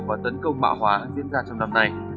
và tấn công mạng hóa diễn ra trong năm nay